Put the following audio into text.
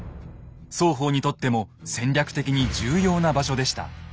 双方にとっても戦略的に重要な場所でした。